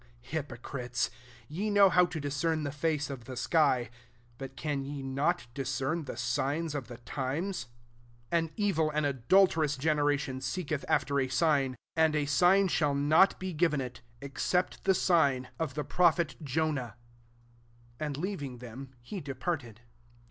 [Hyfiocritea /I jrc know how to discern the fece of the sky ; but can ye not eb# cern the siens of the times ? 4 An evil and adulterous genera tion seeketh after a sign ; an^ a sign shall not be given it, ex cept the sign of [the prophet] MATTHEW XVI. 49 Jonah." And leaving them, he departed.